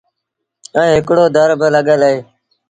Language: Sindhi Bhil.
ائيٚݩ هڪڙو در بالڳل اهي۔